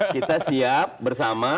kita siap bersama